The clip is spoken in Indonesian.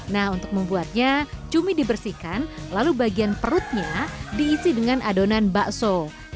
nah untuk membuatnya cumi dibersihkan lalu bagian perutnya diisi dengan adonan bakso